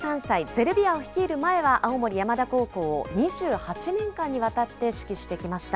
ゼルビアを率いる前は、青森山田高校を２８年間にわたって指揮してきました。